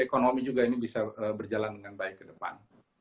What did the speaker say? ekonomi juga ini bisa berjalan dengan baik ke depan